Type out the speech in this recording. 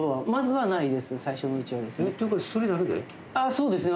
そうですね